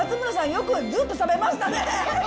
よくずっと食べましたね。